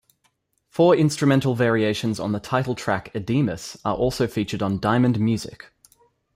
Four instrumental variations on the title track "Adiemus" are also featured on "Diamond Music".